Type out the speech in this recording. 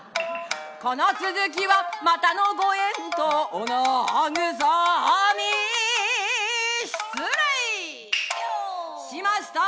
この続きはまたのご縁とおなぐさみ失礼しました